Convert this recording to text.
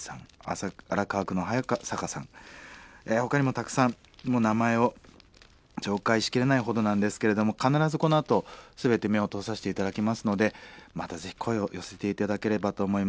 荒川区のハヤサカさんほかにもたくさん名前を紹介しきれないほどなんですけれども必ずこのあと全て目を通させて頂きますのでまたぜひ声を寄せて頂ければと思います。